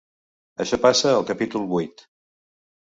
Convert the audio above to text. Això passa al capítol vuit.